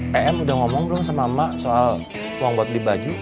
pm udah ngomong belum sama ma soal uang buat beli baju